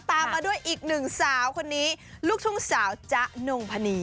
ตามมาด้วยอีกหนึ่งสาวคนนี้ลูกทุ่งสาวจ๊ะนงพนี